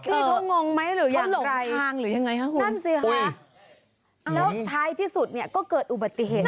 พี่ท้องงไหมหรือยังไรนั่นสิค่ะแล้วท้ายที่สุดเนี่ยก็เกิดอุบัติเหตุ